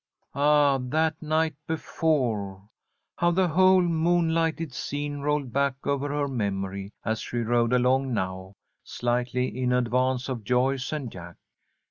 Ah, that night before! How the whole moonlighted scene rolled back over her memory, as she rode along now, slightly in advance of Joyce and Jack.